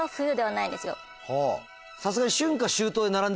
さすがに。